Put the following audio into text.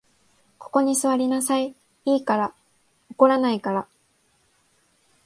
ここに坐りなさい、いいから。怒らないから。